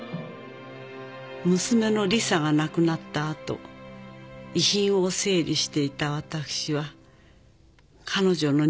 「娘のリサが亡くなった後遺品を整理していた私は彼女の日記を見つけました」